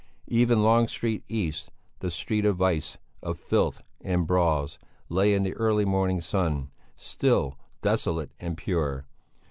Even Long Street East, that street of vice, of filth and brawls, lay in the early morning sun, still, desolate and pure.